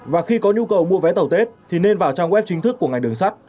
và khi có nhu cầu mua vé tàu tết thì nên vào trang web chính thức của ngành đường sắt